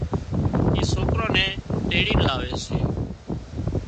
اي سوڪران نين تيڙين لاوي سي۔